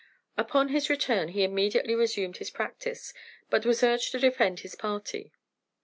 Upon his return he immediately resumed his practice, but was urged to defend his party.